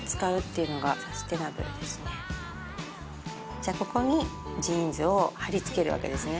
じゃあここにジーンズを貼り付けるわけですね。